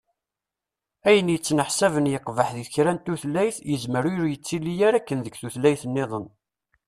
Ayen ittneḥsaben yeqbeḥ di kra n tutlayt, yezmer ur yettili ara akken deg tutlayt-nniḍen.